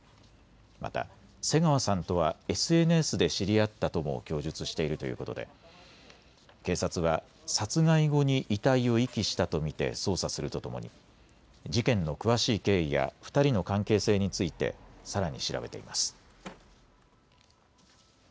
また瀬川さんとはＳＮＳで知り合ったとも供述しているということで警察は殺害後に遺体を遺棄したと見て捜査するとともに事件の詳しい経緯や２人の関係性についてさらに調べています。